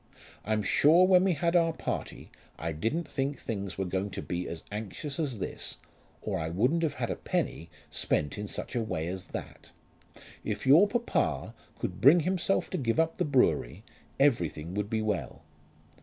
I'm sure when we had our party I didn't think things were going to be as anxious as this, or I wouldn't have had a penny spent in such a way as that. If your papa could bring himself to give up the brewery, everything would be well."